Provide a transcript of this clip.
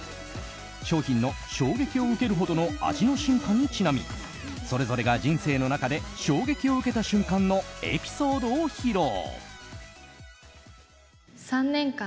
商品の、衝撃を受けるほどの味の進化にちなみそれぞれが人生の中で衝撃を受けた瞬間のエピソードを披露。